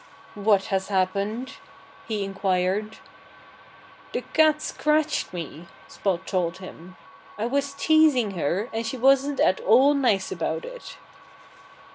"What has happened?" he inquired. "The cat scratched me," Spot told him. "I was teasing her and she wasn't at all nice about it."